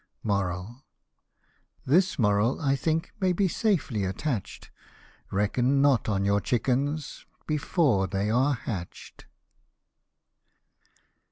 This moral, I think, may be safely attach'd ; Reckon not on your chickens before they are hatch'd.